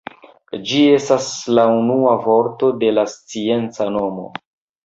Ĝi estas la unua vorto de la scienca nomo.